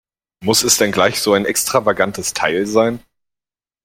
Muss es denn gleich so ein extravagantes Teil sein?